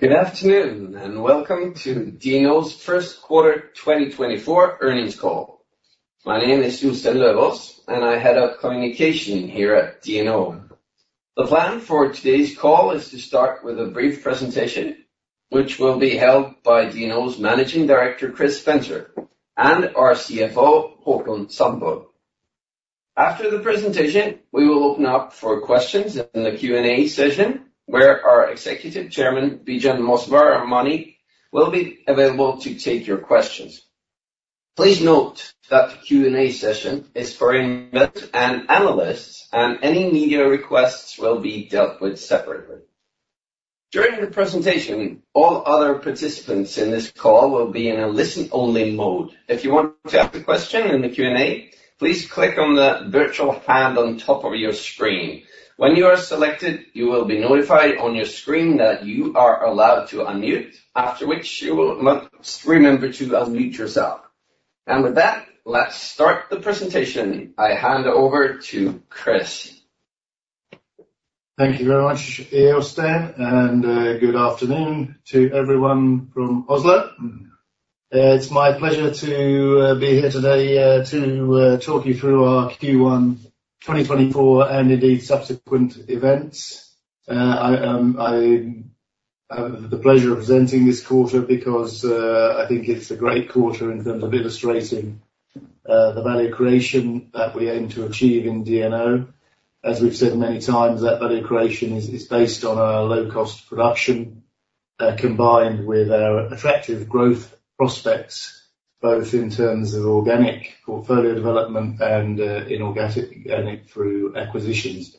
Good afternoon and welcome to DNO's first quarter 2024 earnings call. My name is Jostein Løvås and I head up communication here at DNO. The plan for today's call is to start with a brief presentation which will be held by DNO's Managing Director Chris Spencer and our CFO Haakon Sandborg. After the presentation we will open up for questions in the Q&A session where our Executive Chairman Bijan Mossavar-Rahmani will be available to take your questions. Please note that the Q&A session is for investors and analysts and any media requests will be dealt with separately. During the presentation all other participants in this call will be in a listen-only mode. If you want to ask a question in the Q&A please click on the virtual hand on top of your screen. When you are selected, you will be notified on your screen that you are allowed to unmute, after which you will remember to unmute yourself. With that, let's start the presentation. I hand over to Chris. Thank you very much, Jostein, and good afternoon to everyone from Oslo. It's my pleasure to be here today to talk you through our Q1 2024 and indeed subsequent events. I have the pleasure of presenting this quarter because I think it's a great quarter in terms of illustrating the value creation that we aim to achieve in DNO. As we've said many times, that value creation is based on our low-cost production combined with our attractive growth prospects both in terms of organic portfolio development and inorganic through acquisitions.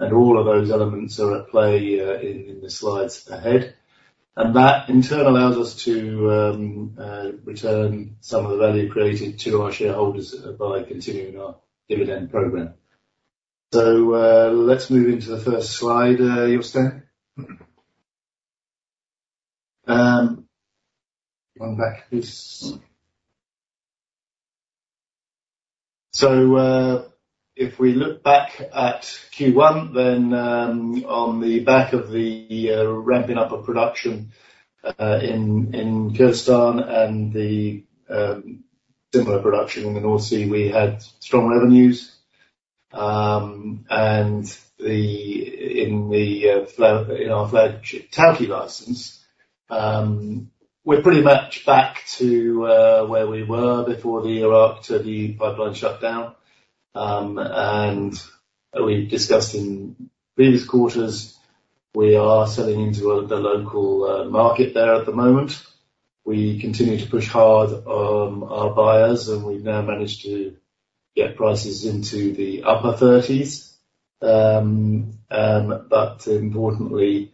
All of those elements are at play in the slides ahead. That in turn allows us to return some of the value created to our shareholders by continuing our dividend program. Let's move into the first slide, Jostein. One back, please. So if we look back at Q1 then on the back of the ramping up of production in Kurdistan and the similar production in the North Sea we had strong revenues. And in our flagship Tawke license we're pretty much back to where we were before the Iraq-Turkey Pipeline shutdown. And we discussed in previous quarters we are selling into the local market there at the moment. We continue to push hard on our buyers and we've now managed to get prices into the upper 30s. But importantly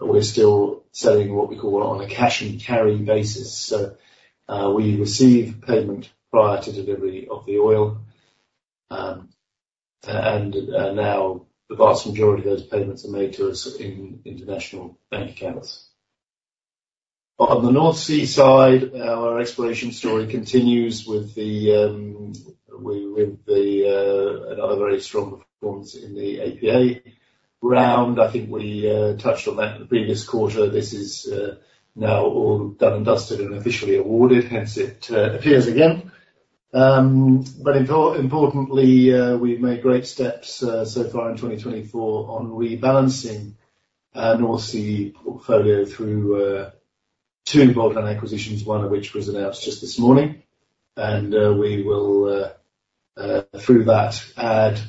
we're still selling what we call on a cash-and-carry basis. So we receive payment prior to delivery of the oil and now the vast majority of those payments are made to us in international bank accounts. On the North Sea side our exploration story continues with another very strong performance in the APA round. I think we touched on that in the previous quarter. This is now all done and dusted and officially awarded, hence it appears again. But importantly we've made great steps so far in 2024 on rebalancing our North Sea portfolio through two bolt-on acquisitions, one of which was announced just this morning. And we will through that add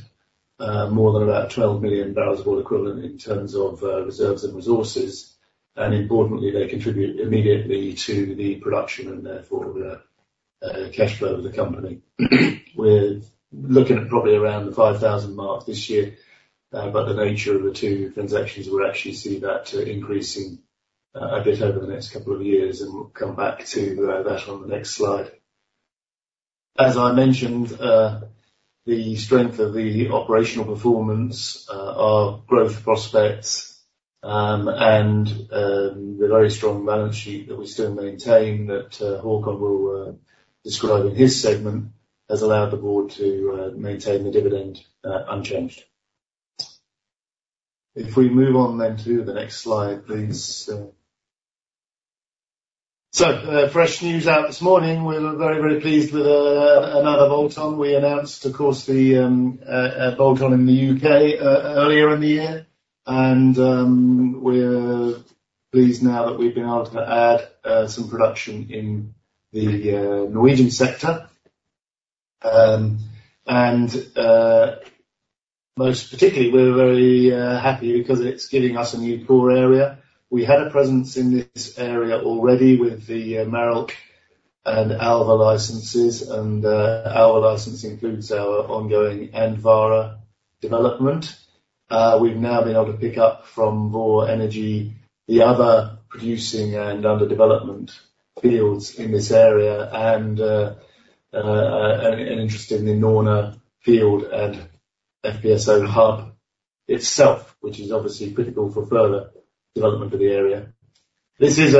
more than about 12 million barrels of oil equivalent in terms of reserves and resources. And importantly they contribute immediately to the production and therefore the cash flow of the company. We're looking at probably around the 5,000 mark this year but the nature of the two transactions will actually see that increasing a bit over the next couple of years and we'll come back to that on the next slide. As I mentioned, the strength of the operational performance, our growth prospects, and the very strong balance sheet that we still maintain, that Haakon will describe in his segment, has allowed the board to maintain the dividend unchanged. If we move on then to the next slide, please. Fresh news out this morning. We're very, very pleased with another bolt-on. We announced, of course, the bolt-on in the U.K. earlier in the year, and we're pleased now that we've been able to add some production in the Norwegian sector. Most particularly, we're very happy because it's giving us a new core area. We had a presence in this area already with the Marulk and Alve licenses, and the Alve license includes our ongoing Andvare development. We've now been able to pick up from Vår Energi the other producing and under-development fields in this area and an interest in the Norne field and FPSO hub itself which is obviously critical for further development of the area. This is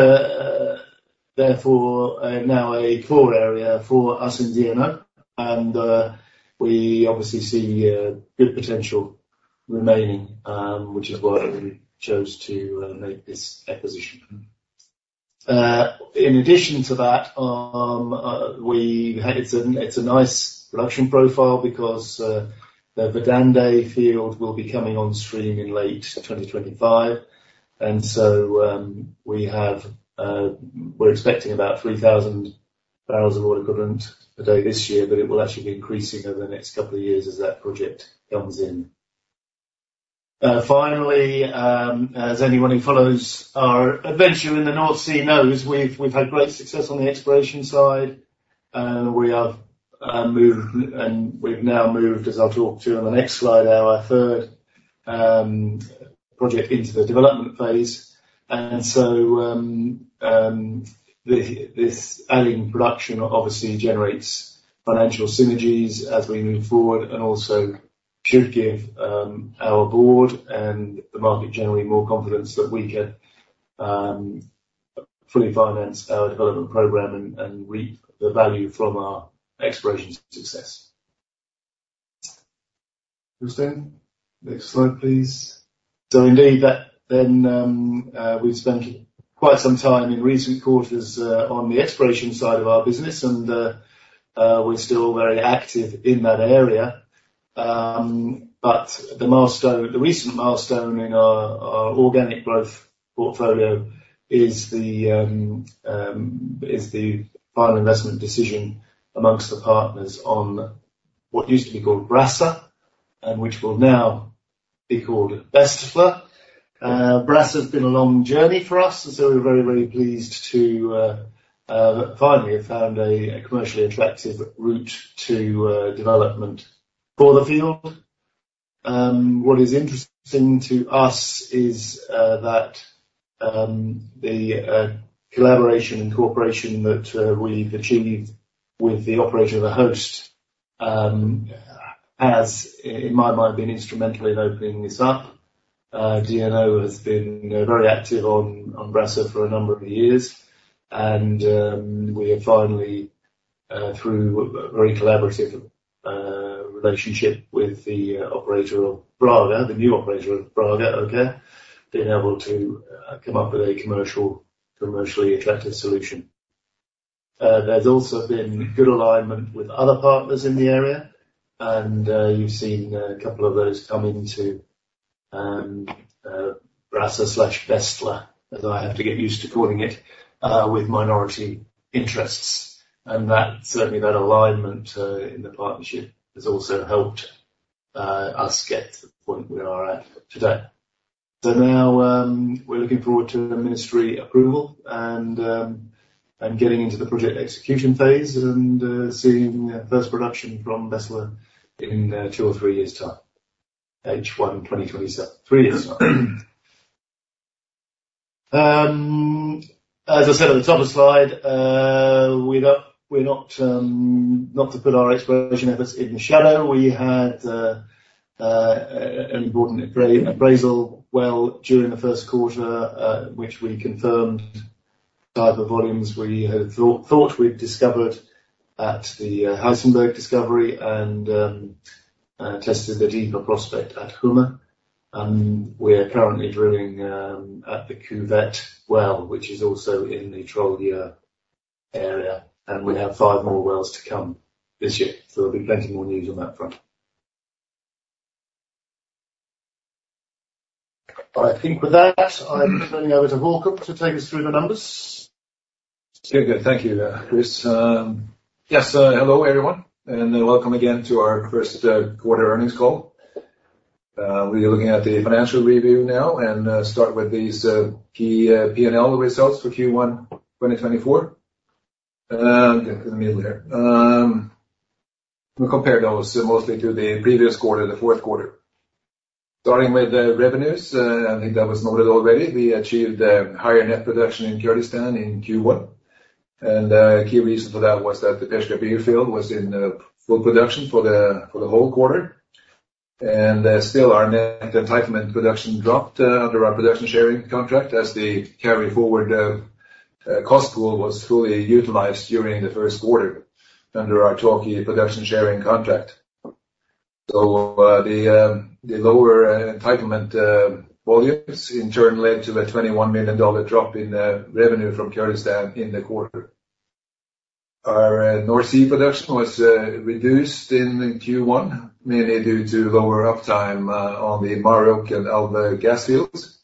therefore now a core area for us in DNO and we obviously see good potential remaining which is why we chose to make this acquisition. In addition to that it's a nice production profile because the Verdande field will be coming on stream in late 2025. So we have we're expecting about 3,000 barrels of oil equivalent per day this year but it will actually be increasing over the next couple of years as that project comes in. Finally as anyone who follows our adventure in the North Sea knows we've had great success on the exploration side. We have moved and we've now moved as I'll talk to you on the next slide our third project into the development phase. And so this adding production obviously generates financial synergies as we move forward and also should give our board and the market generally more confidence that we can fully finance our development program and reap the value from our exploration success. Jostein, next slide please. So indeed that then we've spent quite some time in recent quarters on the exploration side of our business and we're still very active in that area. But the milestone the recent milestone in our organic growth portfolio is the final investment decision amongst the partners on what used to be called Brasse and which will now be called Bestla. Brasse's been a long journey for us and so we're very, very pleased to finally have found a commercially attractive route to development for the field. What is interesting to us is that the collaboration and cooperation that we've achieved with the operator of the host has in my mind been instrumental in opening this up. DNO has been very active on Brasse for a number of years and we have finally through a very collaborative relationship with the operator of Brage, the new operator of Brage, OKEA been able to come up with a commercially attractive solution. There's also been good alignment with other partners in the area and you've seen a couple of those come into Brasse/Bestla as I have to get used to calling it with minority interests. And certainly that alignment in the partnership has also helped us get to the point we are at today. So now we're looking forward to ministry approval and getting into the project execution phase and seeing first production from Bestla in 2 or 3 years' time. H1 2027 three years' time. As I said at the top of the slide, we're not to put our exploration efforts in the shadow. We had an important appraisal well during the first quarter which we confirmed type of volumes we had thought we'd discovered at the Heisenberg Discovery and tested the Deeper Prospect at Hummer. And we're currently drilling at the Cuvette well which is also in the Trollveggen area and we have 5 more wells to come this year. So there'll be plenty more news on that front. I think with that I'm turning over to Haakon to take us through the numbers. Good, good. Thank you, Chris. Yes, hello everyone and welcome again to our first quarter earnings call. We're looking at the financial review now and start with these key P&L results for Q1 2024. In the middle here. We'll compare those mostly to the previous quarter, the fourth quarter. Starting with revenues, I think that was noted already. We achieved higher net production in Kurdistan in Q1. A key reason for that was that the Peshkabir field was in full production for the whole quarter. Still our net entitlement production dropped under our production sharing contract as the carry-forward cost pool was fully utilised during the first quarter under our Tawke production sharing contract. The lower entitlement volumes in turn led to a $21 million drop in revenue from Kurdistan in the quarter. Our North Sea production was reduced in Q1 mainly due to lower uptime on the Marulk and Alve gas fields.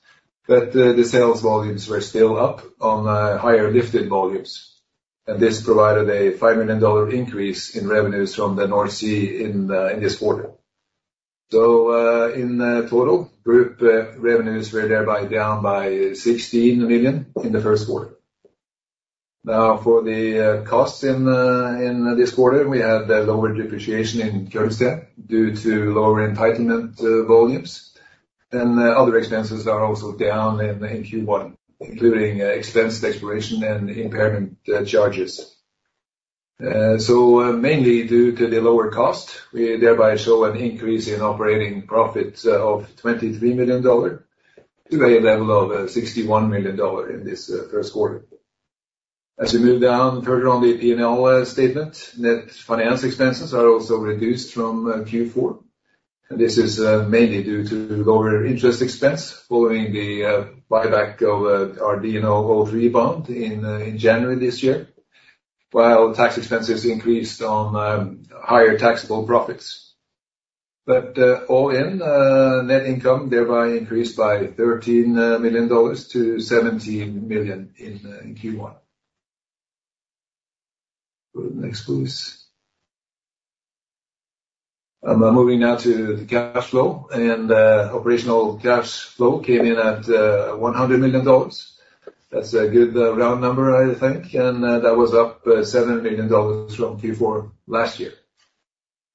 The sales volumes were still up on higher lifted volumes. This provided a $5 million increase in revenues from the North Sea in this quarter. In total group revenues were thereby down by $16 million in the first quarter. Now for the costs in this quarter we had lower depreciation in Kurdistan due to lower entitlement volumes. Other expenses are also down in Q1 including expensed exploration and impairment charges. Mainly due to the lower cost we thereby show an increase in operating profits of $23 million to a level of $61 million in this first quarter. As we move down further on the P&L statement net finance expenses are also reduced from Q4. This is mainly due to lower interest expense following the buyback of our DNO 03 bond in January this year while tax expenses increased on higher taxable profits. But all in net income thereby increased by $13 million to $17 million in Q1. Next please. Moving now to the cash flow. And operational cash flow came in at $100 million. That's a good round number I think. And that was up $7 million from Q4 last year.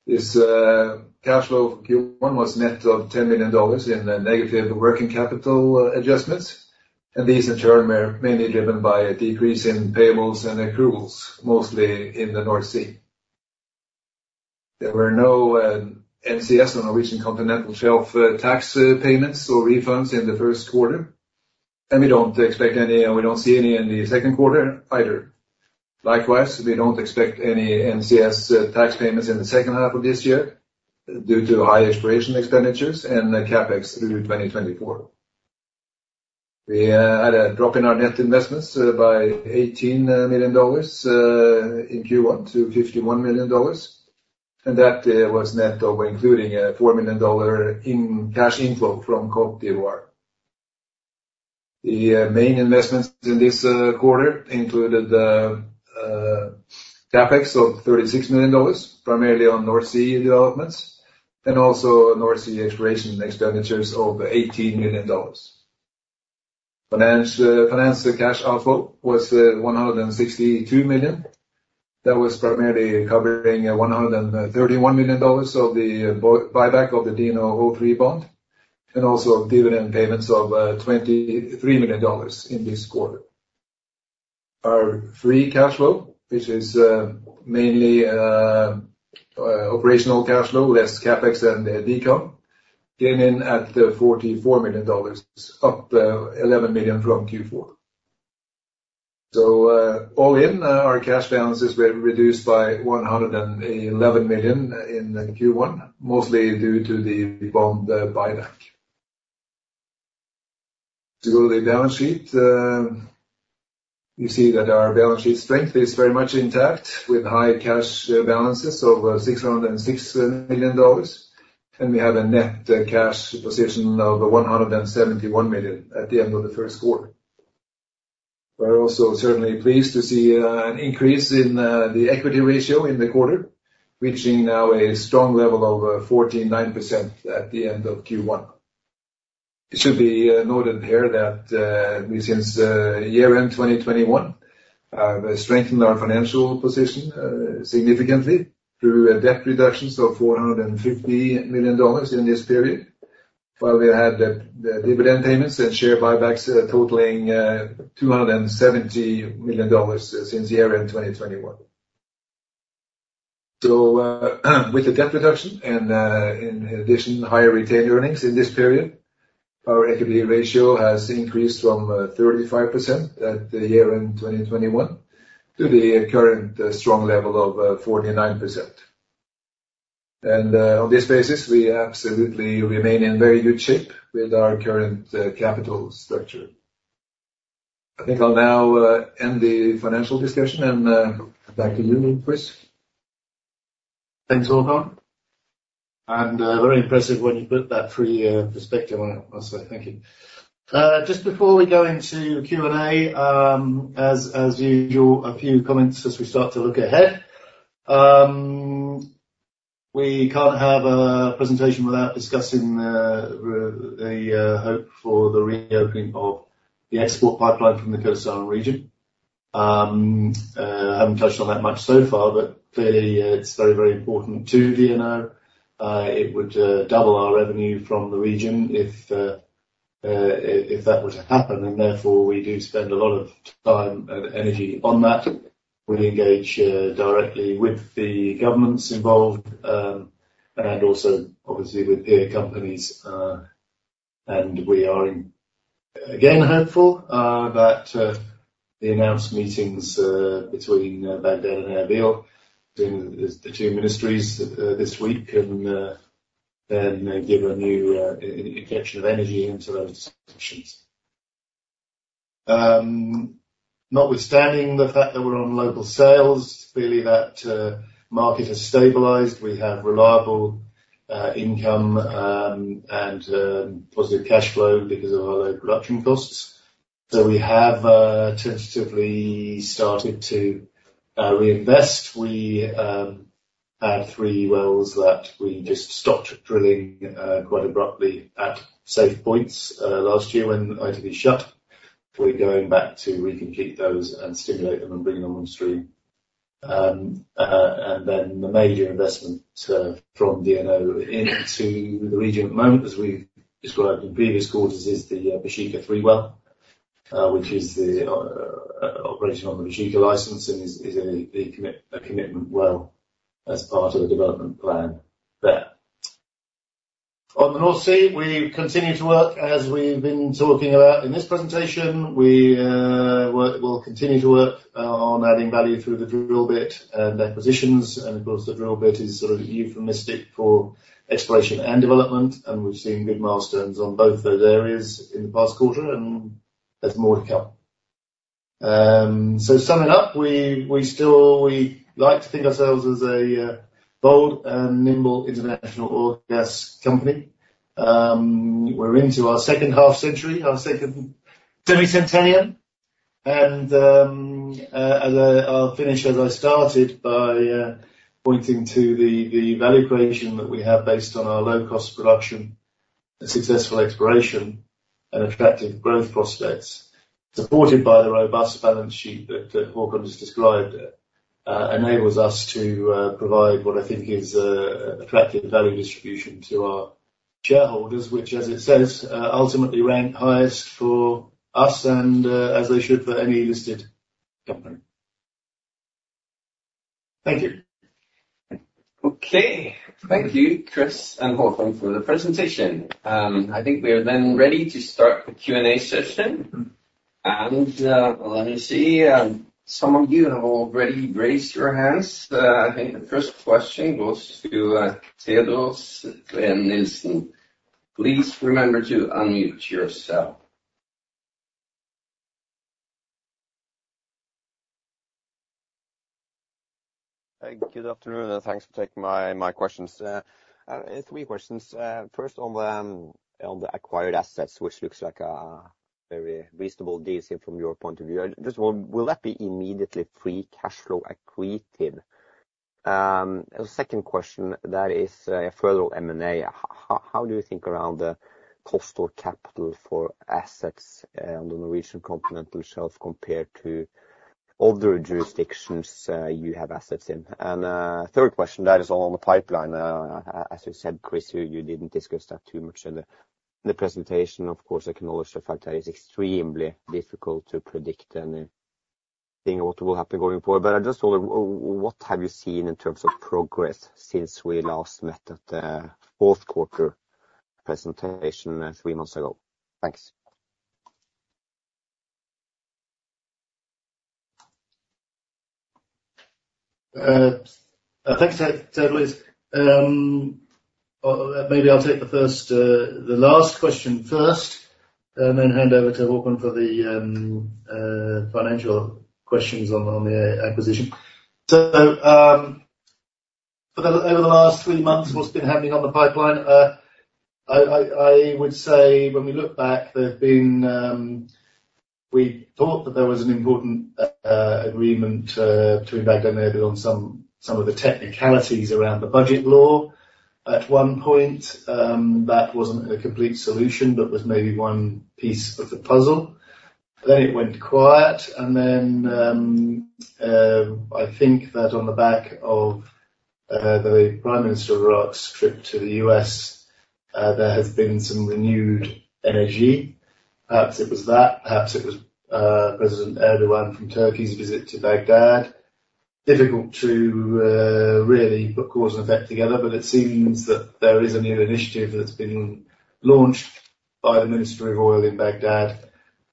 This cash flow for Q1 was net of $10 million in negative working capital adjustments. And these in turn were mainly driven by a decrease in payables and accruals mostly in the North Sea. There were no NCS on Norwegian Continental Shelf tax payments or refunds in the first quarter. And we don't expect any and we don't see any in the second quarter either. Likewise we don't expect any NCS tax payments in the second half of this year due to high exploration expenditures and CapEx through 2024. We had a drop in our net investments by $18 million in Q1 to $51 million. That was net including a $4 million in cash inflow from Côte d'Ivoire. The main investments in this quarter included CapEx of $36 million primarily on North Sea developments and also North Sea exploration expenditures of $18 million. Finance cash outflow was $162 million. That was primarily covering $131 million of the buyback of the DNO 03 bond and also dividend payments of $23 million in this quarter. Our free cash flow, which is mainly operational cash flow less CapEx and decom, came in at $44 million. Up $11 million from Q4. So all in our cash balances were reduced by $111 million in Q1 mostly due to the bond buyback. To go to the balance sheet you see that our balance sheet strength is very much intact with high cash balances of $606 million. And we have a net cash position of $171 million at the end of the first quarter. We're also certainly pleased to see an increase in the equity ratio in the quarter reaching now a strong level of 49% at the end of Q1. It should be noted here that we since year-end 2021 have strengthened our financial position significantly through a debt reduction of $450 million in this period while we had the dividend payments and share buybacks totaling $270 million since year-end 2021. So with the debt reduction and in addition higher retained earnings in this period our equity ratio has increased from 35% at year-end 2021 to the current strong level of 49%. And on this basis we absolutely remain in very good shape with our current capital structure. I think I'll now end the financial discussion and back to you Chris. Thanks Haakon. And very impressive when you put that free perspective on it must I say. Thank you. Just before we go into Q&A as usual a few comments as we start to look ahead. We can't have a presentation without discussing the hope for the reopening of the export pipeline from the Kurdistan Region. Haven't touched on that much so far but clearly it's very, very important to DNO. It would double our revenue from the region if that were to happen. And therefore we do spend a lot of time and energy on that. We engage directly with the governments involved and also obviously with peer companies. And we are again hopeful that the announced meetings between Baghdad and Erbil between the two ministries this week can then give a new injection of energy into those discussions. Notwithstanding the fact that we're on local sales clearly that market has stabilized. We have reliable income and positive cash flow because of our low production costs. So we have tentatively started to reinvest. We had three wells that we just stopped drilling quite abruptly at safe points last year when ITP shut. We're going back to recomplete those and stimulate them and bring them on stream. Then the major investment from DNO into the region at the moment as we've described in previous quarters is the Baeshiqa 3 well which is the operating on the Baeshiqa license and is a commitment well as part of the development plan there. On the North Sea we continue to work as we've been talking about in this presentation. We will continue to work on adding value through the drill bit and acquisitions. And of course the drill bit is sort of euphemistic for exploration and development. And we've seen good milestones on both those areas in the past quarter and there's more to come. So summing up we still like to think ourselves as a bold and nimble international oil and gas company. We're into our second half century, our second semi-centennium. I'll finish as I started by pointing to the value creation that we have based on our low-cost production, successful exploration, and attractive growth prospects supported by the robust balance sheet that Haakon just described enables us to provide what I think is attractive value distribution to our shareholders which as it says ultimately ranked highest for us and as they should for any listed company. Thank you. Okay. Thank you Chris and Haakon for the presentation. I think we are then ready to start the Q&A session. Let me see some of you have already raised your hands. I think the first question goes to Teodor Nilsen. Please remember to unmute yourself. Good afternoon and thanks for taking my questions. Three questions. First on the acquired assets which looks like a very reasonable deal from your point of view. Just will that be immediately free cash flow accreted? Second question that is a further M&A. How do you think around the cost or capital for assets on the Norwegian Continental Shelf compared to other jurisdictions you have assets in? And third question that is all on the pipeline. As you said Chris you didn't discuss that too much in the presentation. Of course acknowledge the fact that it's extremely difficult to predict anything or what will happen going forward. But I just wonder what have you seen in terms of progress since we last met at the fourth quarter presentation three months ago? Thanks. Thanks, Teodor. Maybe I'll take the last question first and then hand over to Haakon for the financial questions on the acquisition. So over the last three months, what's been happening on the pipeline? I would say when we look back, there's been—we thought that there was an important agreement between Baghdad and Erbil on some of the technicalities around the budget law at one point. That wasn't a complete solution but was maybe one piece of the puzzle. Then it went quiet. And then I think that on the back of the Prime Minister of Iraq's trip to the US, there has been some renewed energy. Perhaps it was that. Perhaps it was President Erdoğan from Turkey's visit to Baghdad. Difficult to really put cause and effect together, but it seems that there is a new initiative that's been launched by the Ministry of Oil in Baghdad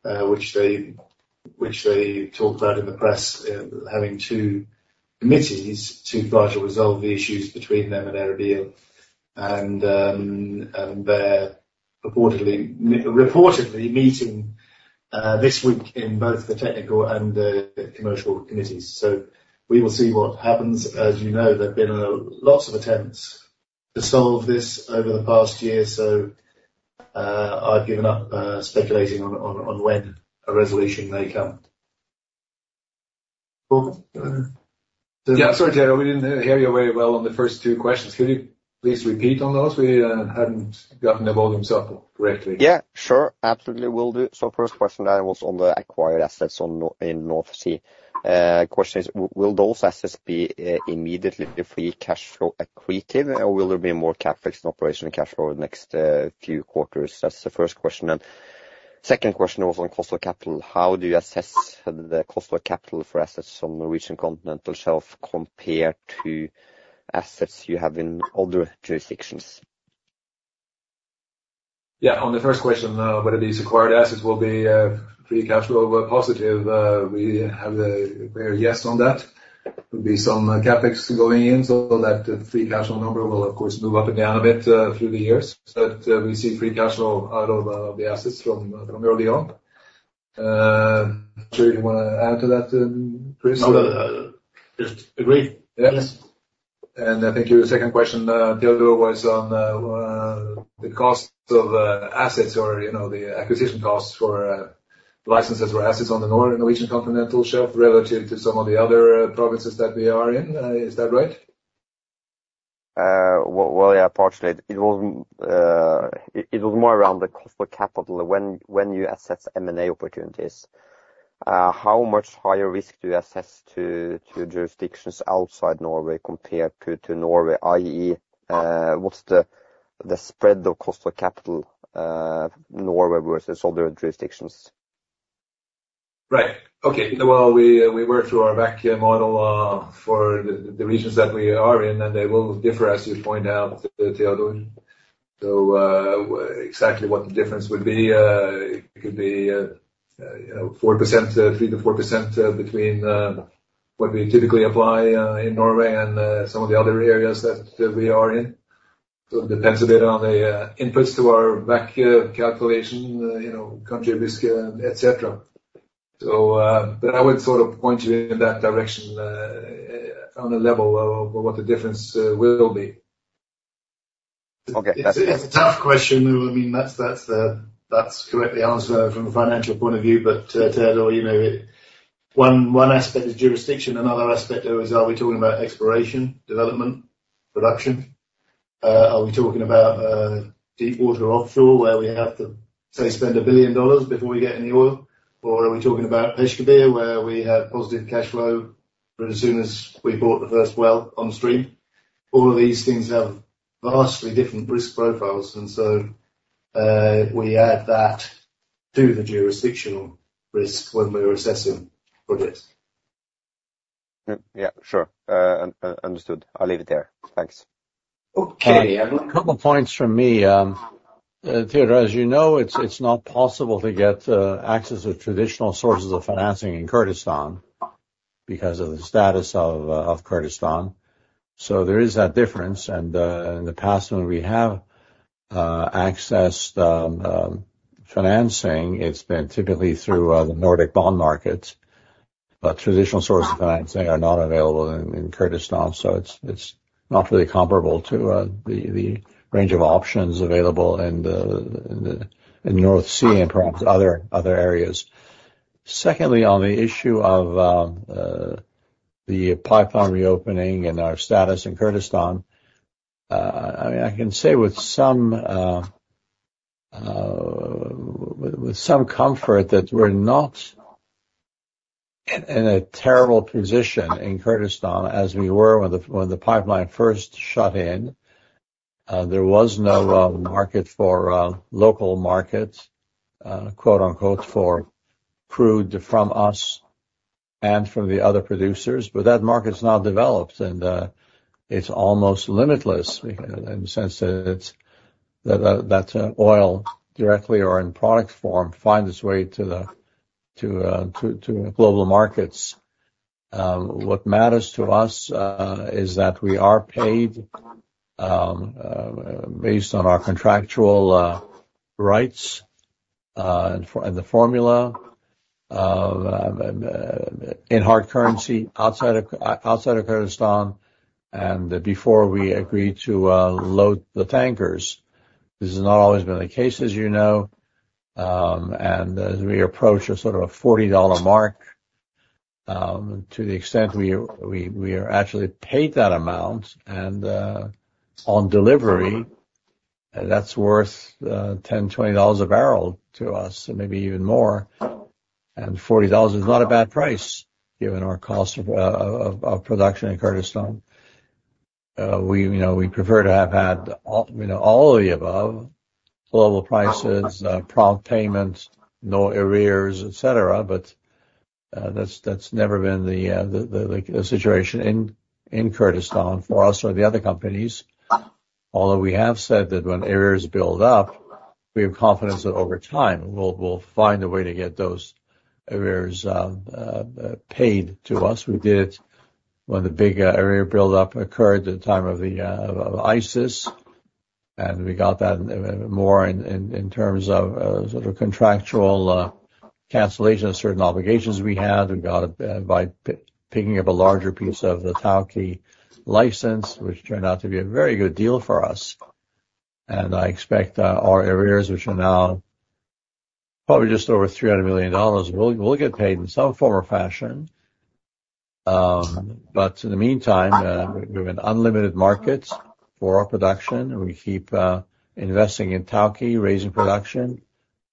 which they talk about in the press having two committees to try to resolve the issues between them and Erbil. And they're reportedly meeting this week in both the technical and commercial committees. So we will see what happens. As you know, there've been lots of attempts to solve this over the past year, so I've given up speculating on when a resolution may come. Haakon? Yeah. Sorry, Teodor. We didn't hear you very well on the first two questions. Could you please repeat on those? We hadn't gotten the volume set up correctly. Yeah. Sure. Absolutely. We'll do it. So first question that was on the acquired assets in North Sea. Question is will those assets be immediately free cash flow accreted or will there be more CapEx and operational cash flow over the next few quarters? That's the first question. And second question was on cost of capital. How do you assess the cost of capital for assets on Norwegian Continental Shelf compared to assets you have in other jurisdictions? Yeah. On the first question whether these acquired assets will be free cash flow positive? We have a clear yes on that. There'll be some CapEx going in so that free cash flow number will of course move up and down a bit through the years. But we see free cash flow out of the assets from early on. I'm not sure if you want to add to that Chris? No. Just agree. Yes. I think your second question Teodor was on the cost of assets or the acquisition costs for licences or assets on the Norwegian Continental Shelf relative to some of the other provinces that we are in. Is that right? Well yeah partially. It was more around the cost of capital when you assess M&A opportunities. How much higher risk do you assess to jurisdictions outside Norway compared to Norway i.e., what's the spread of cost of capital Norway versus other jurisdictions? Right. Okay. Well, we work through our WACC model for the regions that we are in, and they will differ as you point out, Teodor. So, exactly what the difference would be, it could be 4%, 3%-4% between what we typically apply in Norway and some of the other areas that we are in. So, it depends a bit on the inputs to our WACC calculation, country risk, etc. But I would sort of point you in that direction on a level of what the difference will be. Okay. That's. It's a tough question. I mean that's correctly answered from a financial point of view. But Teodor, one aspect is jurisdiction. Another aspect though is, are we talking about exploration, development, production? Are we talking about deep water offshore where we have to say spend $1 billion before we get any oil? Or are we talking about Peshkabir where we have positive cash flow as soon as we bought the first well on stream? All of these things have vastly different risk profiles and so we add that to the jurisdictional risk when we're assessing projects. Yeah. Sure. Understood. I'll leave it there. Thanks. Okay. A couple of points from me. Teodor, as you know, it's not possible to get access to traditional sources of financing in Kurdistan because of the status of Kurdistan. So there is that difference. And in the past when we have accessed financing it's been typically through the Nordic bond markets. But traditional sources of financing are not available in Kurdistan so it's not really comparable to the range of options available in the North Sea and perhaps other areas. Secondly on the issue of the pipeline reopening and our status in Kurdistan I mean I can say with some comfort that we're not in a terrible position in Kurdistan as we were when the pipeline first shut in. There was no market for "local markets" for crude from us and from the other producers. But that market's now developed and it's almost limitless in the sense that oil directly or in product form finds its way to global markets. What matters to us is that we are paid based on our contractual rights and the formula in hard currency outside of Kurdistan and before we agree to load the tankers. This has not always been the case as you know. And we approach sort of a $40 mark to the extent we are actually paid that amount. And on delivery that's worth $10, $20 a barrel to us and maybe even more. And $40 is not a bad price given our cost of production in Kurdistan. We prefer to have had all of the above: global prices, prompt payment, no arrears, etc. But that's never been the situation in Kurdistan for us or the other companies. Although we have said that when arrears build up we have confidence that over time we'll find a way to get those arrears paid to us. We did it when the big arrear buildup occurred at the time of ISIS and we got that more in terms of sort of contractual cancellation of certain obligations we had. We got it by picking up a larger piece of the Tawke license which turned out to be a very good deal for us. And I expect our arrears which are now probably just over $300 million we'll get paid in some form or fashion. But in the meantime we have an unlimited market for our production. We keep investing in Tawke, raising production.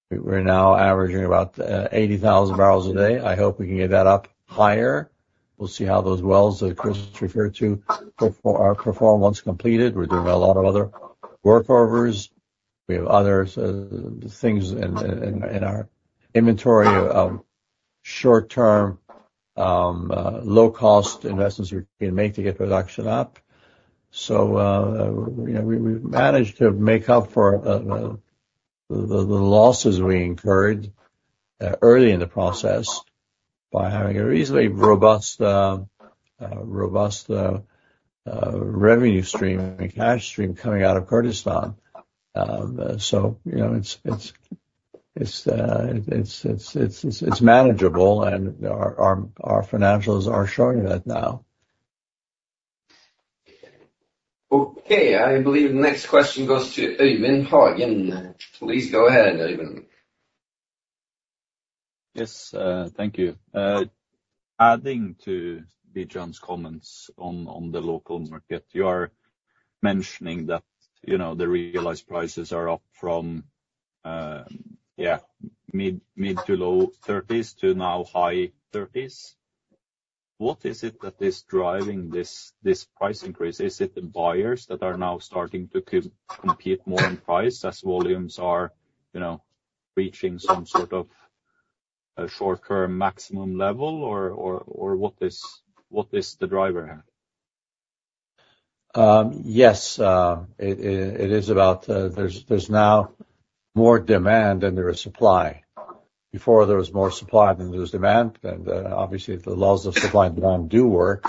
We're now averaging about 80,000 barrels a day. I hope we can get that up higher. We'll see how those wells that Chris referred to perform once completed. We're doing a lot of other workovers. We have other things in our inventory of short-term low-cost investments we can make to get production up. We've managed to make up for the losses we incurred early in the process by having a reasonably robust revenue stream and cash stream coming out of Kurdistan. It's manageable and our financials are showing that now. Okay. I believe the next question goes to Eivind Hagen. Please go ahead, Eivind. Yes. Thank you. Adding to Bijan's comments on the local market, you are mentioning that the realized prices are up from mid- to low-$30s to now high $30s. What is it that is driving this price increase? Is it the buyers that are now starting to compete more in price as volumes are reaching some sort of short-term maximum level or what is the driver? Yes. It is about there's now more demand than there is supply. Before there was more supply than there was demand. Obviously the laws of supply and demand do work.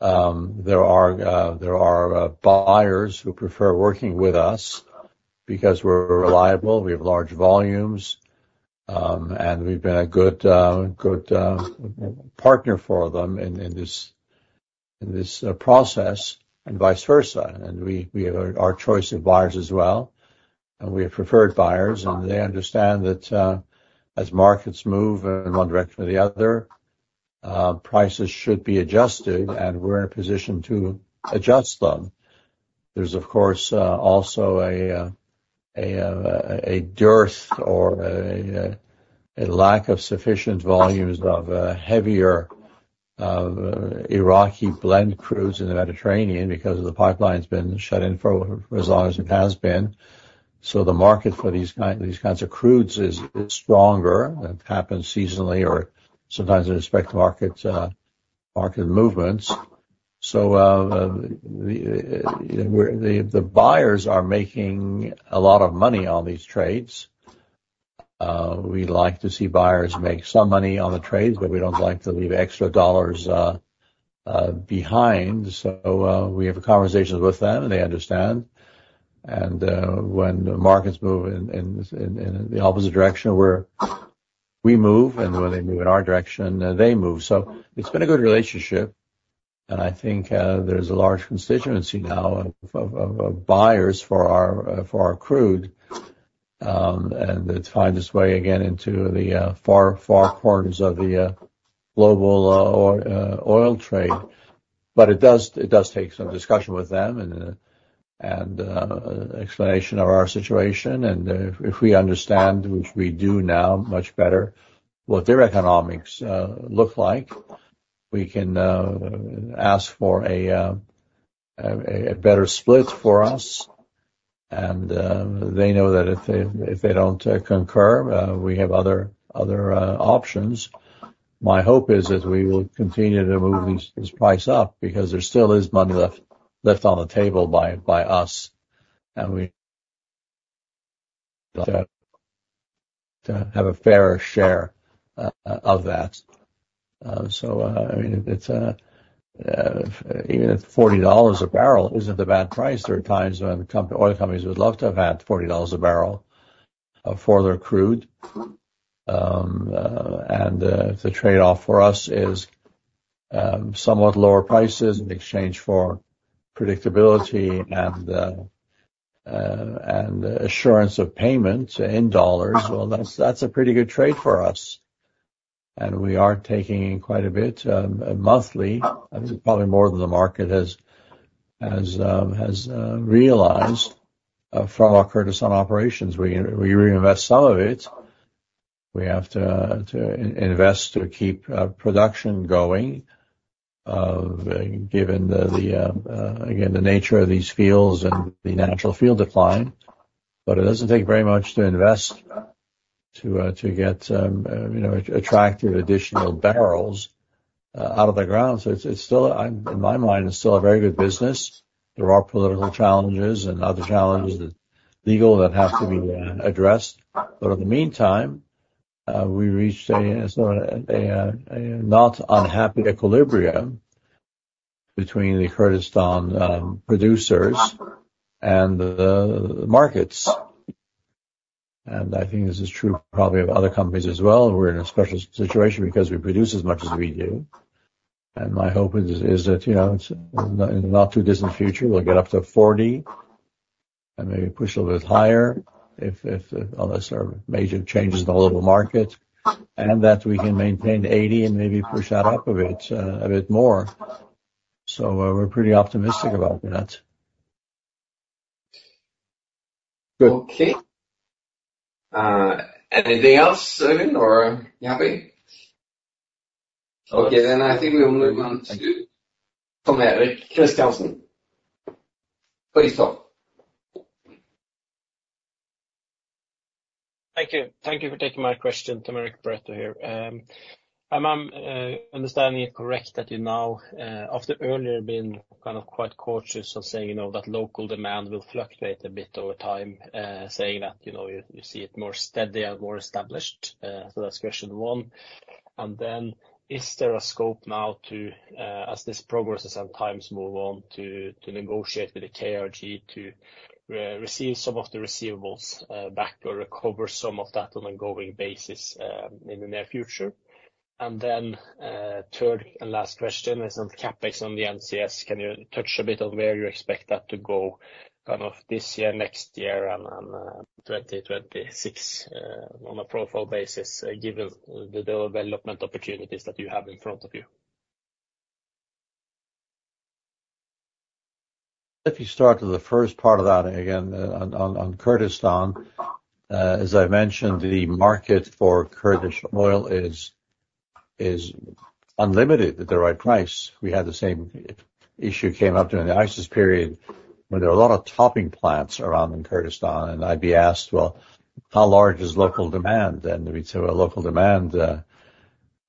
There are buyers who prefer working with us because we're reliable, we have large volumes, and we've been a good partner for them in this process and vice versa. We have our choice of buyers as well and we have preferred buyers. They understand that as markets move in one direction or the other prices should be adjusted and we're in a position to adjust them. There's of course also a dearth or a lack of sufficient volumes of heavier Iraqi blend crudes in the Mediterranean because the pipeline's been shut in for as long as it has been. So the market for these kinds of crudes is stronger. That happens seasonally or sometimes in respect to market movements. The buyers are making a lot of money on these trades. We like to see buyers make some money on the trades but we don't like to leave extra dollars behind. We have conversations with them and they understand. When the markets move in the opposite direction we move and when they move in our direction they move. It's been a good relationship and I think there's a large constituency now of buyers for our crude. It's finding its way again into the far corners of the global oil trade. It does take some discussion with them and explanation of our situation. If we understand, which we do now much better, what their economics look like we can ask for a better split for us. They know that if they don't concur, we have other options. My hope is that we will continue to move this price up because there still is money left on the table by us and we have a fairer share of that. So I mean even if $40 a barrel isn't a bad price, there are times when oil companies would love to have had $40 a barrel for their crude. If the trade-off for us is somewhat lower prices in exchange for predictability and assurance of payment in dollars, well, that's a pretty good trade for us. We are taking in quite a bit monthly. I think probably more than the market has realized from our Kurdistan operations. We reinvest some of it. We have to invest to keep production going given again the nature of these fields and the natural field decline. It doesn't take very much to invest to get attractive additional barrels out of the ground. In my mind it's still a very good business. There are political challenges and other challenges legal that have to be addressed. In the meantime we reached a not unhappy equilibrium between the Kurdistan producers and the markets. I think this is true probably of other companies as well. We're in a special situation because we produce as much as we do. My hope is that in the not too distant future we'll get up to 40 and maybe push a little bit higher unless there are major changes in the global market. That we can maintain 80 and maybe push that up a bit more. We're pretty optimistic about that. Good. Okay. Anything else Eivind or Javi? Okay then I think we'll move on to Tom Erik Kristiansen. Please talk. Thank you. Thank you for taking my question. Tom Erik Pareto here. I'm understanding it correct that you now after earlier being kind of quite cautious of saying that local demand will fluctuate a bit over time saying that you see it more steady and more established. So that's question one. And then is there a scope now to as this progresses and times move on to negotiate with the KRG to receive some of the receivables back or recover some of that on an ongoing basis in the near future? And then third and last question is on CapEx on the NCS. Can you touch a bit on where you expect that to go kind of this year, next year, and 2026 on a profile basis given the development opportunities that you have in front of you? If you start with the first part of that again on Kurdistan, as I mentioned, the market for Kurdish oil is unlimited at the right price. We had the same issue came up during the ISIS period when there were a lot of topping plants around in Kurdistan. And I'd be asked, "Well, how large is local demand?" And we'd say, "Well, local demand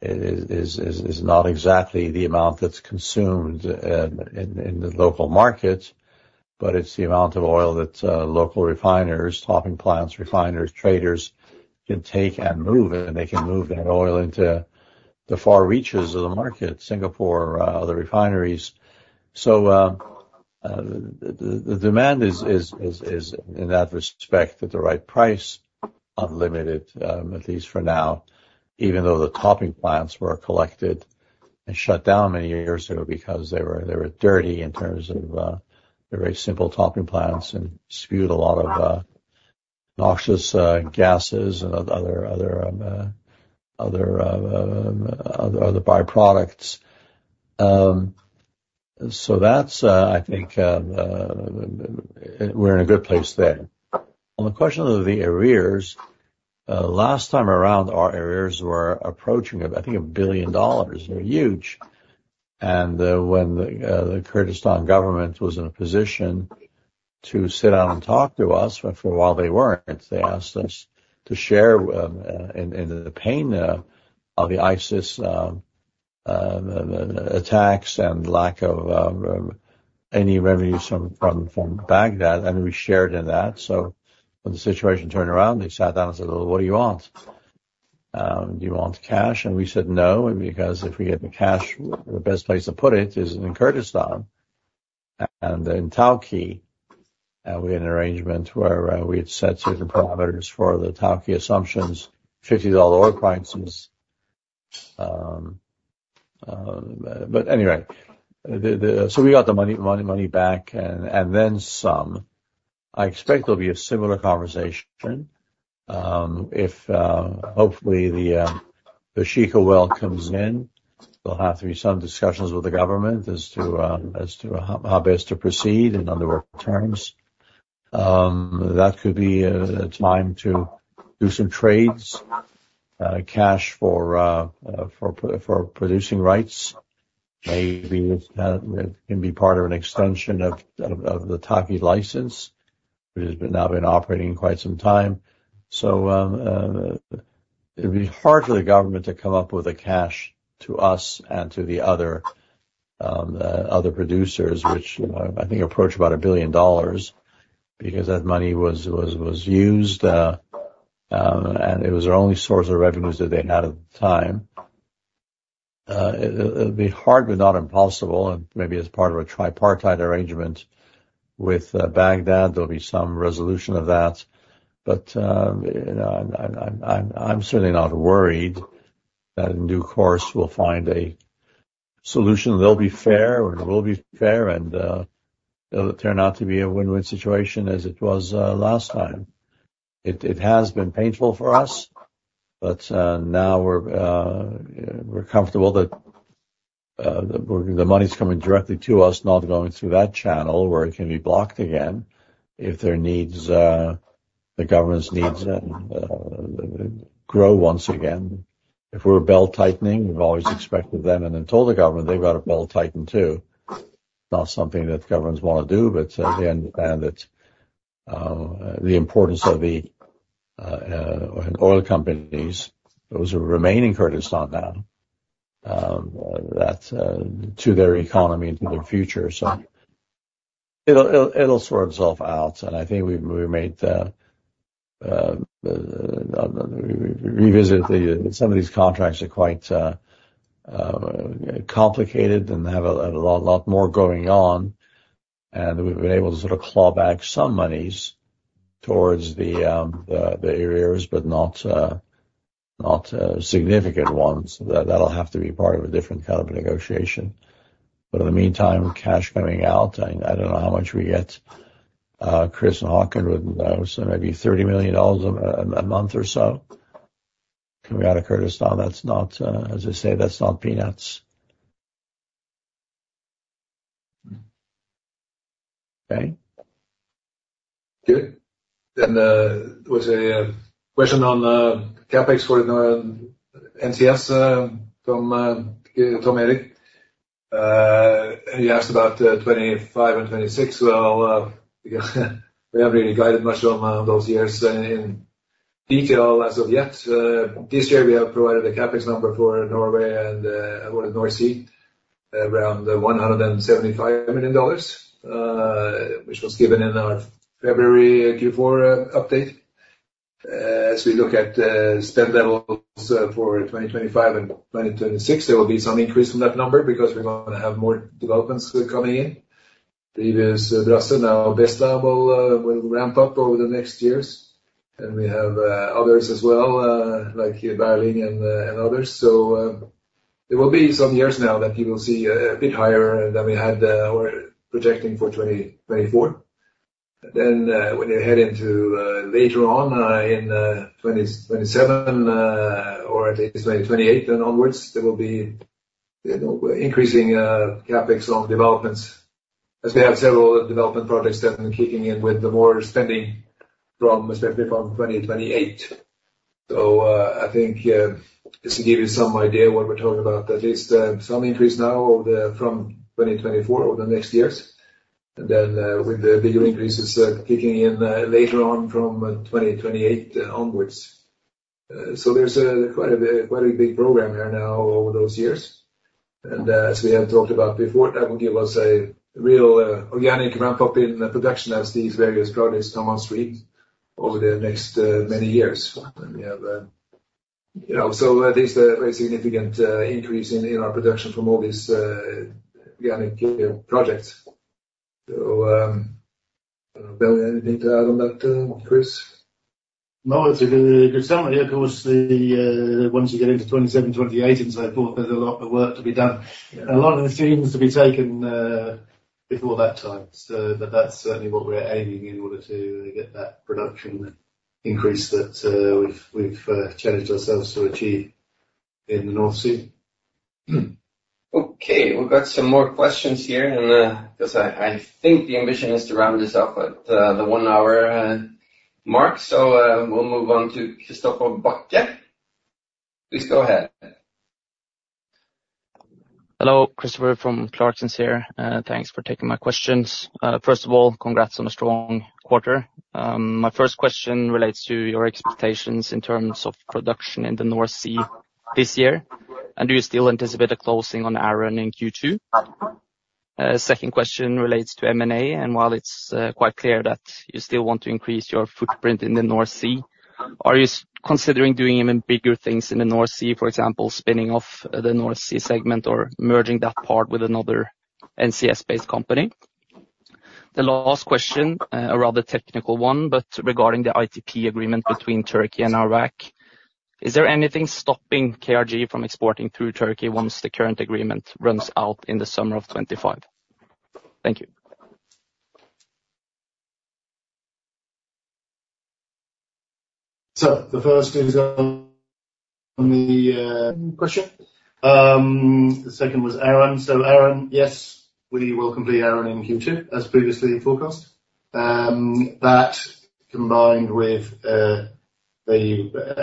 is not exactly the amount that's consumed in the local market but it's the amount of oil that local refiners, topping plants, refiners, traders can take and move. And they can move that oil into the far reaches of the market: Singapore, other refineries." So the demand is in that respect at the right price, unlimited at least for now, even though the topping plants were collected and shut down many years ago because they were dirty in terms of they're very simple topping plants and spewed a lot of noxious gases and other byproducts. So I think we're in a good place there. On the question of the arrears, last time around our arrears were approaching I think $1 billion. They're huge. And when the Kurdistan government was in a position to sit down and talk to us for a while they weren't, they asked us to share in the pain of the ISIS attacks and lack of any revenues from Baghdad. And we shared in that. So when the situation turned around, they sat down and said, "Well, what do you want? Do you want cash?" And we said, "No, because if we get the cash, the best place to put it is in Kurdistan and in Tawke." And we had an arrangement where we had set certain parameters for the Tawke assumptions: $50 oil prices. But anyway, so we got the money back and then some. I expect there'll be a similar conversation. Hopefully the Sheikh Owais comes in. There'll have to be some discussions with the government as to how best to proceed and under what terms. That could be a time to do some trades, cash for producing rights. Maybe it can be part of an extension of the Tawke license which has now been operating quite some time. So it'd be hard for the government to come up with the cash to us and to the other producers which I think approached about $1 billion because that money was used and it was the only source of revenues that they had at the time. It'd be hard but not impossible and maybe as part of a tripartite arrangement with Baghdad, there'll be some resolution of that. But I'm certainly not worried that in due course we'll find a solution that'll be fair and will be fair and it'll turn out to be a win-win situation as it was last time. It has been painful for us but now we're comfortable that the money's coming directly to us, not going through that channel where it can be blocked again if the government's needs grow once again. If we're belt-tightening, we've always expected them and then told the government they've got to belt-tighten too. It's not something that governments want to do but they understand the importance of the oil companies, those remaining Kurdistan now, to their economy and to their future. So it'll sort itself out. And I think we've revisited some of these contracts that are quite complicated and have a lot more going on. And we've been able to sort of claw back some monies towards the arrears but not significant ones. That'll have to be part of a different kind of a negotiation. But in the meantime, cash coming out, I don't know how much we get. Chris and Haakon would know. So maybe $30 million a month or so coming out of Kurdistan. As I say, that's not peanuts. Okay? Good. Then there was a question on CapEx for the NCS from Tom Erik. He asked about 2025 and 2026. Well, we haven't really guided much on those years in detail as of yet. This year we have provided a CapEx number for Norway and North Sea around $175 million which was given in our February Q4 update. As we look at spend levels for 2025 and 2026, there will be some increase from that number because we're going to have more developments coming in. Previous Brasse, now Bestla will ramp up over the next years. We have others as well like Berling and others. So there will be some years now that you will see a bit higher than we had or projecting for 2024. Then, when you head into later on in 2027 or at least 2028 and onwards, there will be increasing CapEx on developments as we have several development projects that are kicking in with the more spending especially from 2028. So, I think just to give you some idea of what we're talking about, at least some increase now from 2024 over the next years. And then with the bigger increases kicking in later on from 2028 onwards. So, there's quite a big program here now over those years. And as we have talked about before, that will give us a real organic ramp-up in production as these various projects come on stream over the next many years. And we have so at least a very significant increase in our production from all these organic projects. So, anything to add on that, Chris? No, it's a good summary. Of course, once you get into 2027, 2028 and so forth, there's a lot of work to be done. A lot of the decisions to be taken before that time. But that's certainly what we're aiming in order to get that production increase that we've challenged ourselves to achieve in the North Sea. Okay. We've got some more questions here because I think the ambition is to round this off at the one-hour mark. We'll move on to Christoffer Bachke. Please go ahead. Hello. Christopher from Clarksons here. Thanks for taking my questions. First of all, congrats on a strong quarter. My first question relates to your expectations in terms of production in the North Sea this year. Do you still anticipate a closing on Arran in Q2? Second question relates to M&A. While it's quite clear that you still want to increase your footprint in the North Sea, are you considering doing even bigger things in the North Sea, for example, spinning off the North Sea segment or merging that part with another NCS-based company? The last question, a rather technical one but regarding the ITP agreement between Turkey and Iraq, is there anything stopping KRG from exporting through Turkey once the current agreement runs out in the summer of 2025? Thank you. So the first is on the question. The second was Arran. So Arran, yes, we will complete Arran in Q2 as previously forecast. That combined with the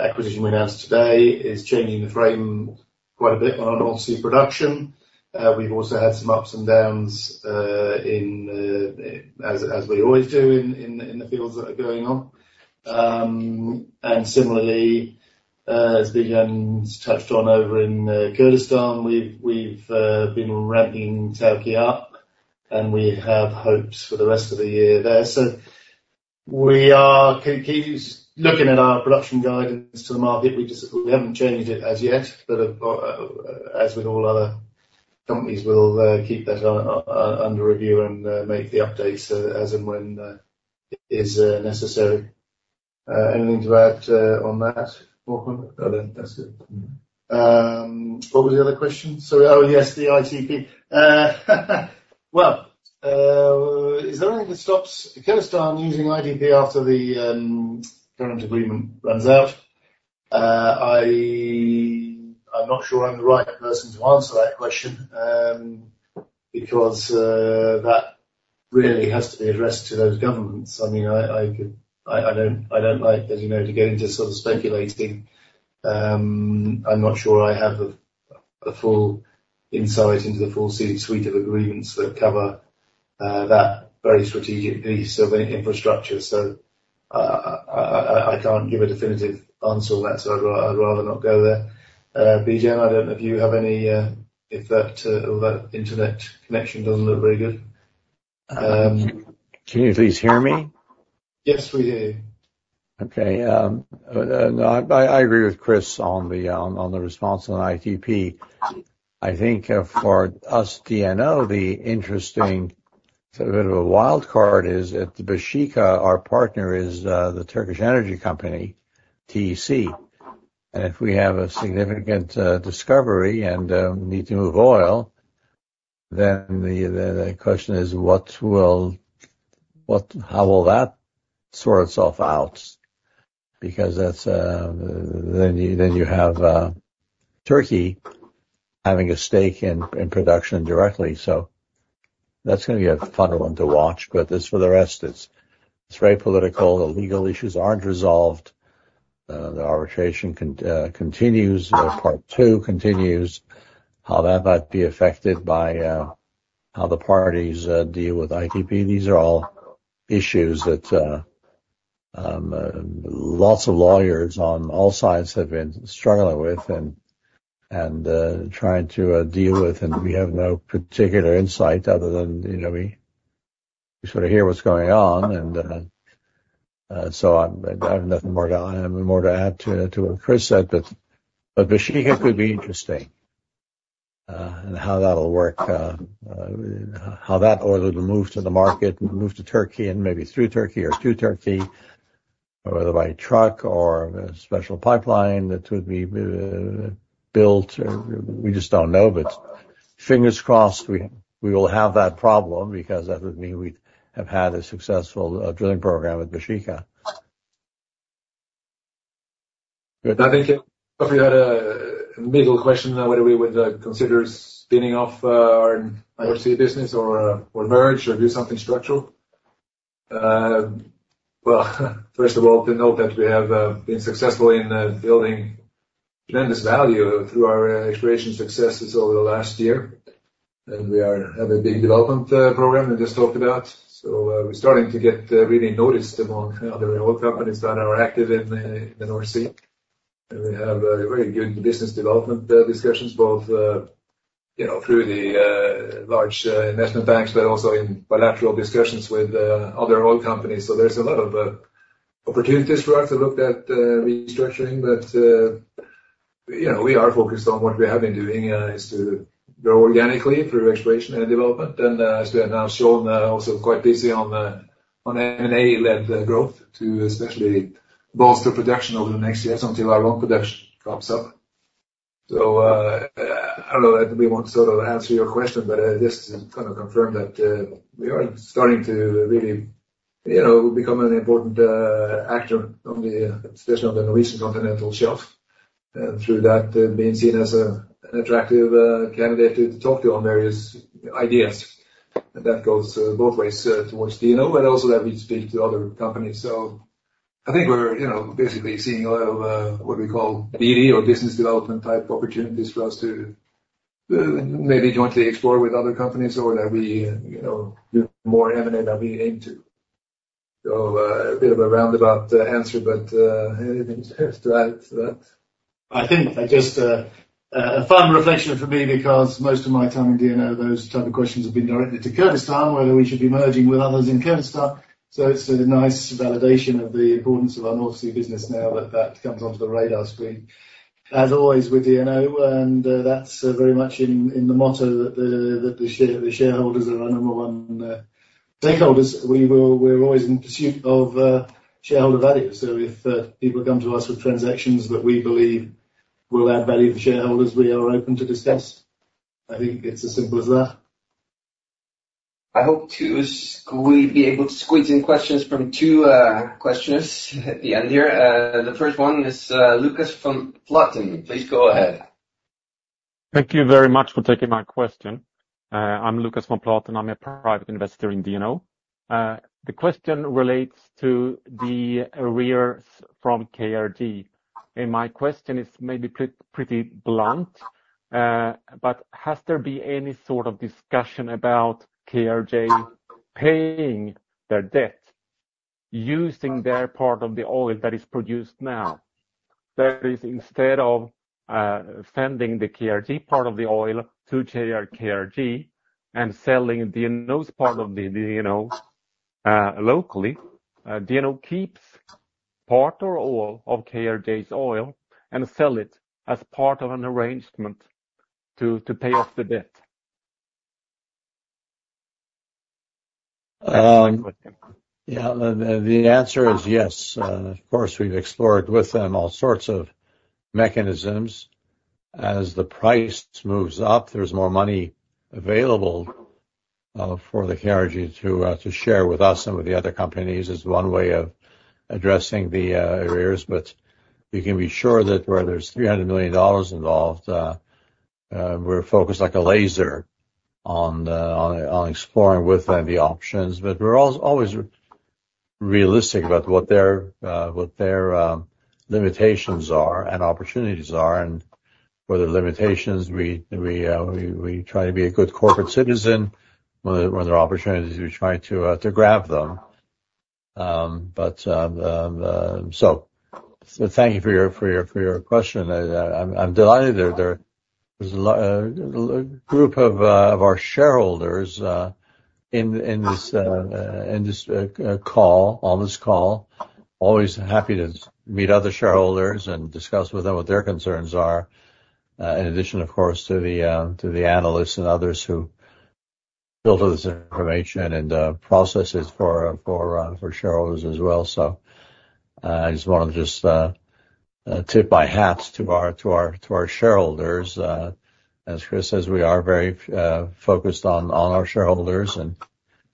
acquisition we announced today is changing the frame quite a bit on our North Sea production. We've also had some ups and downs as we always do in the fields that are going on. And similarly, as Bijan's touched on over in Kurdistan, we've been ramping Tawke up and we have hopes for the rest of the year there. So we are looking at our production guidance to the market. We haven't changed it as yet. But as with all other companies, we'll keep that under review and make the updates as and when it is necessary. Anything to add on that, Haakon? No, that's it. What was the other question? Oh, yes, the ITP. Well, is there anything that stops Kurdistan using ITP after the current agreement runs out? I'm not sure I'm the right person to answer that question because that really has to be addressed to those governments. I mean, I don't like, as you know, to get into sort of speculating. I'm not sure I have a full insight into the full suite of agreements that cover that very strategic piece of infrastructure. So I can't give a definitive answer on that. So I'd rather not go there. Bijan, I don't know if you have any if that internet connection doesn't look very good. Can you please hear me? Yes, we hear you. Okay. I agree with Chris on the response on ITP. I think for us DNO, the interesting sort of bit of a wild card is at the Baeshiqa, our partner is the Turkish energy company, TEC. And if we have a significant discovery and need to move oil, then the question is how will that sort itself out? Because then you have Turkey having a stake in production directly. So that's going to be a fun one to watch. But for the rest, it's very political. The legal issues aren't resolved. The arbitration continues. Part two continues. How that might be affected by how the parties deal with ITP, these are all issues that lots of lawyers on all sides have been struggling with and trying to deal with. And we have no particular insight other than we sort of hear what's going on. So I have nothing more to add to what Chris said. But Baeshiqa could be interesting and how that'll work, how that order will move to the market and move to Turkey and maybe through Turkey or to Turkey whether by truck or a special pipeline that would be built. We just don't know. Fingers crossed, we will have that problem because that would mean we have had a successful drilling program at Baeshiqa. I think if we had a middle question, whether we would consider spinning off our North Sea business or merge or do something structural? Well, first of all, to note that we have been successful in building tremendous value through our exploration successes over the last year. And we have a big development program we just talked about. So we're starting to get really noticed among other oil companies that are active in the North Sea. And we have very good business development discussions both through the large investment banks but also in bilateral discussions with other oil companies. So there's a lot of opportunities for us to look at restructuring. But we are focused on what we have been doing is to grow organically through exploration and development. And as we have now shown, also quite busy on M&A-led growth to especially bolster production over the next years until our own production crops up. So I don't know that we want to sort of answer your question. But just to kind of confirm that we are starting to really become an important actor, especially on the Norwegian Continental Shelf. And through that, being seen as an attractive candidate to talk to on various ideas. And that goes both ways towards DNO but also that we speak to other companies. So I think we're basically seeing a lot of what we call BD or business development type opportunities for us to maybe jointly explore with other companies or that we do more M&A than we aim to. So a bit of a roundabout answer. But anything to add to that? I think just a fun reflection for me because most of my time in DNO, those type of questions have been directly to Kurdistan, whether we should be merging with others in Kurdistan. So it's a nice validation of the importance of our North Sea business now that that comes onto the radar screen, as always with DNO. And that's very much in the motto that the shareholders are our number one stakeholders. We're always in pursuit of shareholder value. So if people come to us with transactions that we believe will add value to shareholders, we are open to discuss. I think it's as simple as that. I hope to be able to squeeze in questions from two questioners at the end here. The first one is Lucas von Platen. Please go ahead. Thank you very much for taking my question. I'm Lucas von Platen. I'm a private investor in DNO. The question relates to the arrears from KRG. My question is maybe pretty blunt. Has there been any sort of discussion about KRG paying their debt using their part of the oil that is produced now? That is, instead of sending the KRG part of the oil to KRG and selling DNO's part of DNO locally, DNO keeps part or all of KRG's oil and sells it as part of an arrangement to pay off the debt. Yeah. The answer is yes. Of course, we've explored with them all sorts of mechanisms. As the price moves up, there's more money available for the KRG to share with us and with the other companies as one way of addressing the arrears. But you can be sure that where there's $300 million involved, we're focused like a laser on exploring with them the options. But we're always realistic about what their limitations are and opportunities are. And for the limitations, we try to be a good corporate citizen when there are opportunities. We try to grab them. So thank you for your question. I'm delighted. There's a group of our shareholders in this call, on this call, always happy to meet other shareholders and discuss with them what their concerns are. In addition, of course, to the analysts and others who filter this information and process it for shareholders as well. So I just want to tip my hats to our shareholders. As Chris says, we are very focused on our shareholders and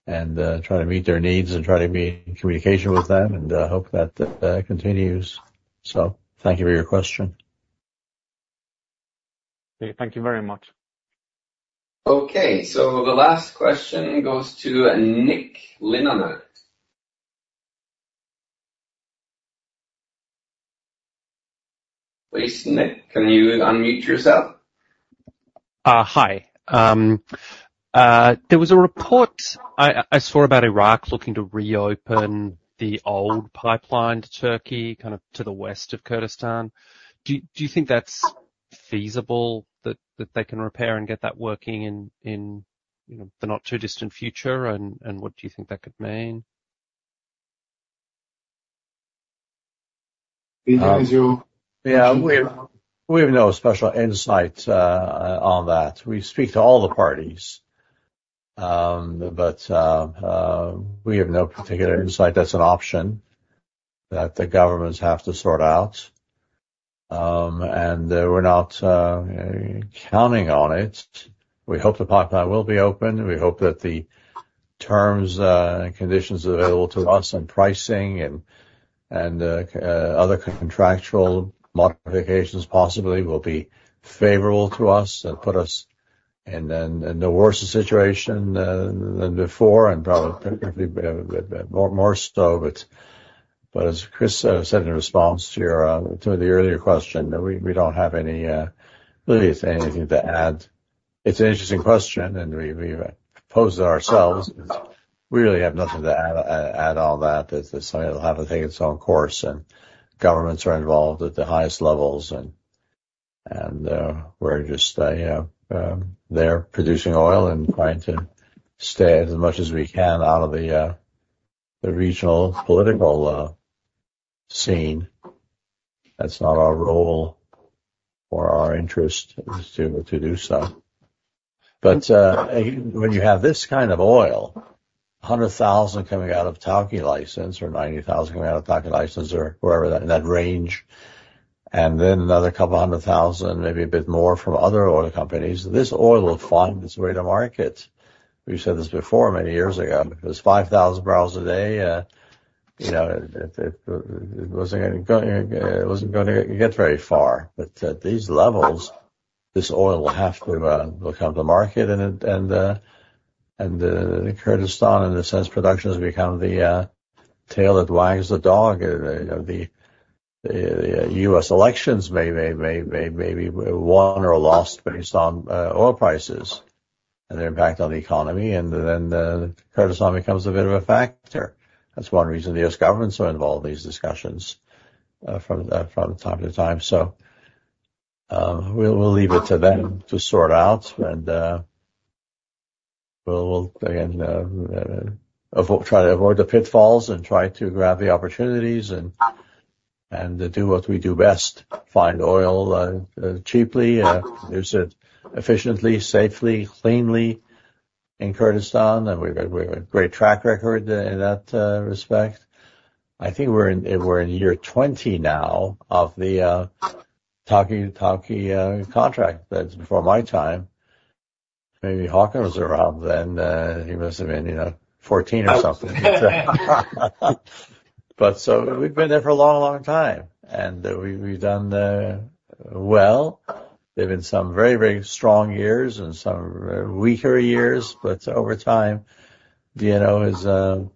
try to meet their needs and try to be in communication with them and hope that continues. So thank you for your question. Thank you very much. Okay. So the last question goes to [Nick Linnonen]. Please, Nick, can you unmute yourself? Hi. There was a report I saw about Iraq looking to reopen the old pipeline to Turkey, kind of to the west of Kurdistan. Do you think that's feasible, that they can repair and get that working in the not-too-distant future? And what do you think that could mean? Yeah. We have no special insight on that. We speak to all the parties. But we have no particular insight. That's an option that the governments have to sort out. And we're not counting on it. We hope the pipeline will be open. We hope that the terms and conditions available to us and pricing and other contractual modifications, possibly, will be favorable to us and put us in no worse situation than before and probably more so. But as Chris said in response to the earlier question, we don't have really anything to add. It's an interesting question. And we posed it ourselves. We really have nothing to add on that. Somebody will have to take its own course. And governments are involved at the highest levels. And we're just there producing oil and trying to stay as much as we can out of the regional political scene. That's not our role or our interest to do so. But when you have this kind of oil, 100,000 coming out of Tawke license or 90,000 coming out of Tawke license or wherever that in that range and then another 200,000, maybe a bit more from other oil companies, this oil will find its way to market. We've said this before many years ago. If it was 5,000 barrels a day, it wasn't going to get very far. But at these levels, this oil will come to market. And Kurdistan, in a sense, production has become the tail that wags the dog. The U.S. elections may be won or lost based on oil prices and their impact on the economy. And then Kurdistan becomes a bit of a factor. That's one reason the U.S. governments are involved in these discussions from time to time. So we'll leave it to them to sort out. And we'll, again, try to avoid the pitfalls and try to grab the opportunities and do what we do best: find oil cheaply, produce it efficiently, safely, cleanly in Kurdistan. And we have a great track record in that respect. I think we're in year 20 now of the Tawke to Tawke contract. That's before my time. Maybe Haakon was around then. He must have been 14 or something. But so we've been there for a long, long time. And we've done well. There have been some very, very strong years and some weaker years. But over time, DNO has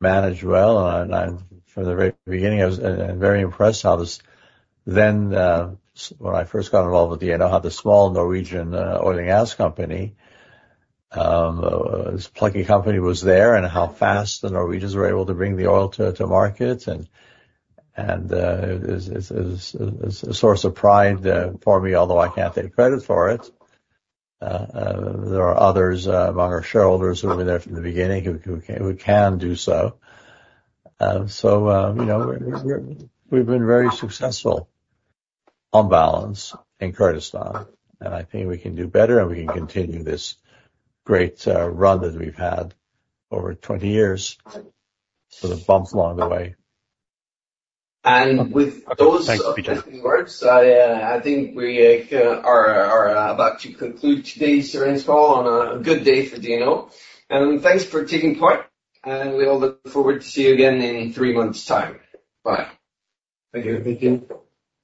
managed well. And from the very beginning, I was very impressed how this then, when I first got involved with DNO, had the small Norwegian oil and gas company. This plucky company was there and how fast the Norwegians were able to bring the oil to market. It's a source of pride for me, although I can't take credit for it. There are others among our shareholders who have been there from the beginning who can do so. We've been very successful on balance in Kurdistan. I think we can do better. We can continue this great run that we've had over 20 years for the bumps along the way. With those exciting words, I think we are about to conclude today's earnings call on a good day for DNO. Thanks for taking part. We all look forward to seeing you again in three months' time. Bye. Thank you. Thank you.